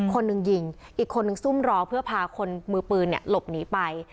คนหนึ่งยิงอีกคนนึงซุ่มรอเพื่อพาคนมือปืนหลบหนีไป